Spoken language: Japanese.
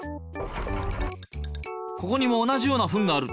ここにも同じようなフンがある。